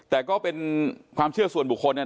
แต่ก็เป็นความเชื่อส่วนบุคคล